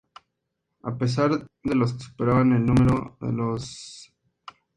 A pesar de que los superaban en número, los araucanos recibieron una dura derrota.